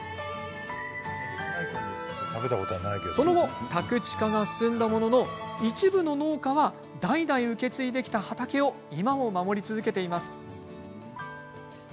その後、宅地化が進んだものの一部の農家は代々受け継いできた畑を今も守り続けています。